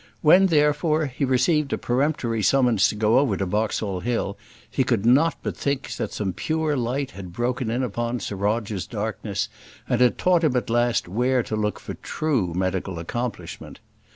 When, therefore, he received a peremptory summons to go over to Boxall Hill, he could not but think that some pure light had broken in upon Sir Roger's darkness, and taught him at last where to look for true medical accomplishment.